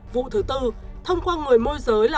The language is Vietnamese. vụ thứ tư thông qua người môi giới là